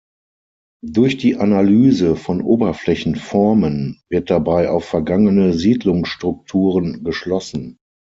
Durch die Analyse von Oberflächenformen wird dabei auf vergangene Siedlungsstrukturen geschlossen.